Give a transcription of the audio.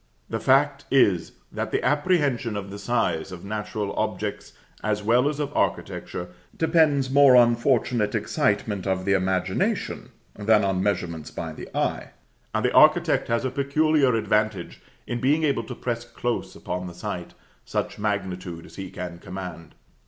The fact is, that the apprehension of the size of natural objects, as well as of architecture, depends more on fortunate excitement of the imagination than on measurements by the eye; and the architect has a peculiar advantage in being able to press close upon the sight, such magnitude as he can command.